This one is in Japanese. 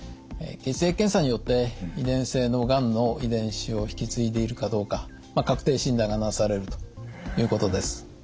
血液検査によって遺伝性のがんの遺伝子を引き継いでいるかどうか確定診断がなされるということです。